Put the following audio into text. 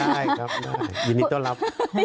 ได้ครับยินดีต้อนรับ